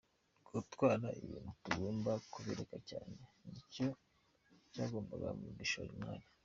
Gutwara ibintu tugomba kubireba cyane, nicyo cyangombwa mu gushora imari.